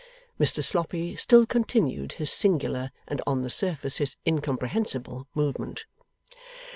Mr Sloppy still continued his singular, and on the surface his incomprehensible, movement.